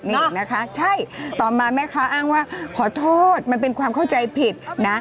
นี่นะคะใช่ต่อมาแม่ค้าอ้างว่าขอโทษมันเป็นความเข้าใจผิดนะ